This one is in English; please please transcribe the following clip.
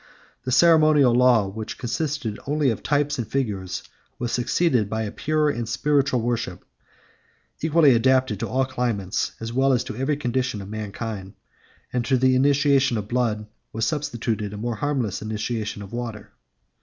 The ceremonial law, which consisted only of types and figures, was succeeded by a pure and spiritual worship equally adapted to all climates, as well as to every condition of mankind; and to the initiation of blood was substituted a more harmless initiation of water.